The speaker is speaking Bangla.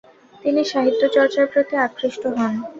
তিনি সাহিত্যচর্চার প্রতি আকৃষ্ট হন।